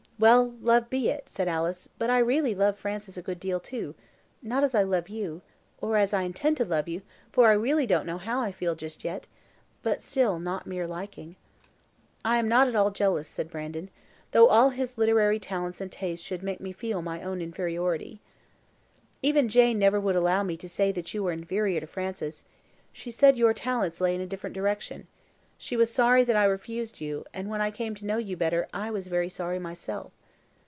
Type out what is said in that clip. "Well, love be it," said Alice; "but I really love Francis a good deal, too not as I love you, or as I intend to love you, for I really don't know how I feel just yet, but still not mere liking." "I am not at all jealous," said Brandon, "though all his literary talents and tastes should make me feel my own inferiority." "Even Jane never would allow me to say that you were inferior to Francis; she said your talents lay in a different direction. She was sorry that I refused you, and when I came to know you better I was very sorry myself."